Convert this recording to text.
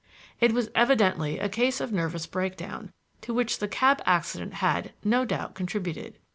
It was evidently a case of nervous breakdown, to which the cab accident had, no doubt, contributed.